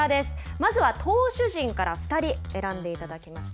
まずは投手陣から２人選んでいただきました。